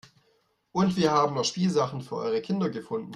Und wir haben noch Spielsachen für eure Kinder gefunden.